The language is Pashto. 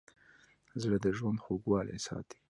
زړه د ژوند خوږوالی ساتي.